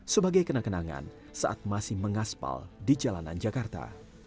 sebagai kena kenangan saat masih mengaspal di jalanan jakarta